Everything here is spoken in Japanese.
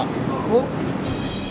おっ。